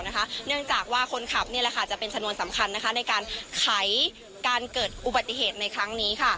เนื่องจากว่าคนขับนี่แหละจะเป็นชนวนสำคัญในการไขการเกิดอุบัติเหตุในครั้งนี้